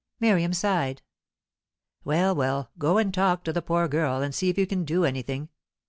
Miriam sighed. "Well, well; go and talk to the poor girl, and see if you can do anything.